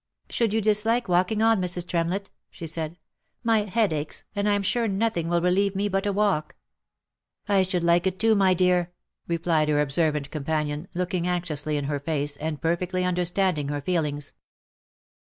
"Should you dislike walking on, Mrs. Tremlett?" she said. " My head aches, and I am sure nothing will relieve me but a walk." " I should like it too, my dear," replied her observant com panion, looking anxiously in her face, and perfectly understanding her feelings.